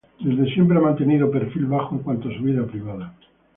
Desde siempre ha mantenido perfil bajo en cuanto a su vida privada.